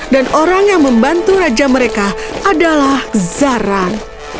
dan orang yang membantu raja mereka adalah zaran